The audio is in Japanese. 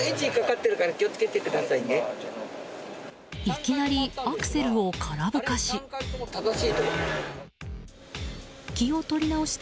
いきなりアクセルを空ぶかし。